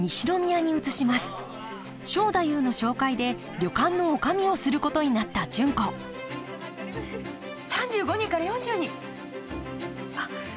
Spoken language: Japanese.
正太夫の紹介で旅館の女将をすることになった純子３５人から４０人あっ高校野球の？